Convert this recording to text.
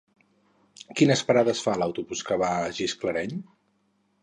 Quines parades fa l'autobús que va a Gisclareny?